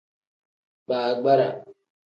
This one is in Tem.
Baagbara.